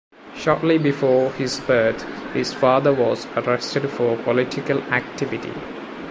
Shortly before his birth, his father was arrested for political activity.